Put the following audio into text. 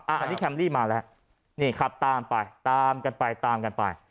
อันนี้แคมรี่มาแล้วนี่ขับตามไปตามกันไปตามกันไป